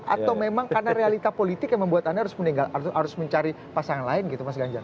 atau memang karena realita politik yang membuat anda harus meninggal harus mencari pasangan lain gitu mas ganjar